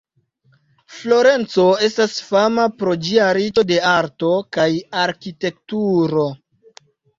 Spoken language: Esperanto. Florenco estas fama pro ĝia riĉo de arto kaj arkitekturo.